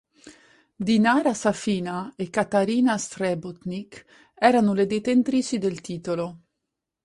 Dinara Safina e Katarina Srebotnik erano le detentrici del titolo.